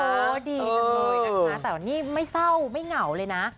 ดีจังเลยนะคะแต่วันนี้ไม่เศร้าไม่เหงาเลยนะ